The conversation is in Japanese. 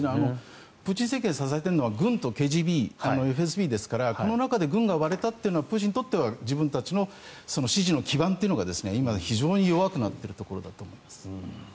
プーチン政権を支えているのは軍とＦＳＢですからこの中で軍が割れたというのはプーチンにとっては自分たちの支持の基盤というのが今、非常に弱くなっているところだと。